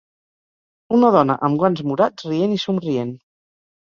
Una dona amb guants morats rient i somrient.